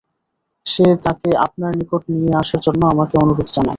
সে তাকে আপনার নিকট নিয়ে আসার জন্যে আমাকে অনুরোধ জানায়।